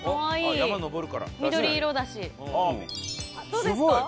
どうですか？